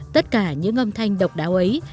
tất cả những âm thanh độc đáo ấy